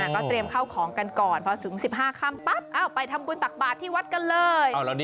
ก็เตรียมเข้าของกันก่อนพอถึง๑๕ค่ำปั๊บไปทำบุญตักบาทที่วัดกันเลย